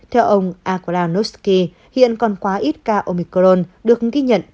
theo ông aklanovsky hiện còn quá ít ca omicron được ghi nhận